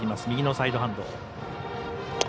右のサイドハンド。